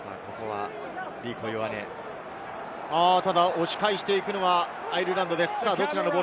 押し返していくのはアイルランドです。